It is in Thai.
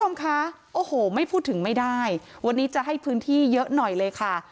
คุณผู้ชมคะโอ้โหไม่พูดถึงไม่ได้วันนี้จะให้พื้นที่เยอะหน่อยเลยค่ะ